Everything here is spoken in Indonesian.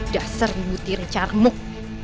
dasar mutir carmuk